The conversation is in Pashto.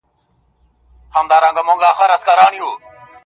• د وجود غړي د هېواد په هديره كي پراته.